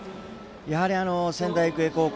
やはり、仙台育英高校。